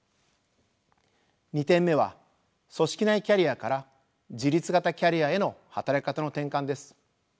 ２点目は組織内キャリアから自律型キャリアへの働き方の転換です。